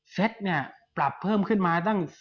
เซ็ตเนี่ยปรับเพิ่มขึ้นมาตั้ง